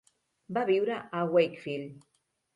Va viure a Wakefield.